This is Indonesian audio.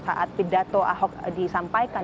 saat pidato ahok disampaikan